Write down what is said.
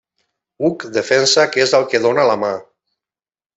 Uc defensa que és al que dóna la mà.